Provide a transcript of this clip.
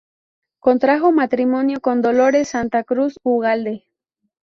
Contrajo matrimonio con Dolores Santa Cruz Ugalde.